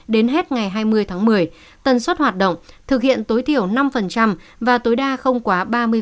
đến hết ngày hai mươi tháng một mươi tần suất hoạt động thực hiện tối thiểu năm và tối đa không quá ba mươi